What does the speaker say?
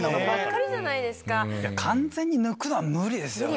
完全に抜くのは無理ですよね。